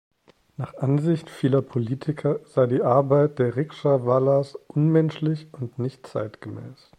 Nach Ansicht vieler Politiker sei die Arbeit der Rikscha-Wallahs unmenschlich und nicht zeitgemäß.